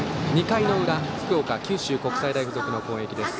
２回の裏福岡・九州国際大付属の攻撃です。